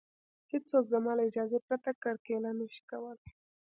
هېڅوک زما له اجازې پرته کرکیله نشي کولی